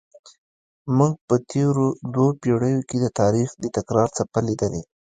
موږ په تېرو دوو پیړیو کې د تاریخ د تکرار څپه لیدلې.